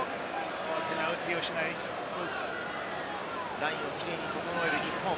ラインをキレイに整える日本。